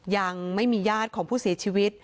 ยังไม่มีญาติของผู้เสียชีวิต